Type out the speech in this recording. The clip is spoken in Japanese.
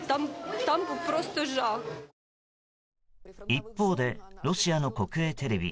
一方で、ロシアの国営テレビ